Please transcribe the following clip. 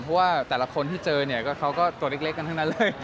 เพราะว่าแต่ละคนที่เจอเนี่ยก็เขาก็ตัวเล็กกันทั้งนั้นเลย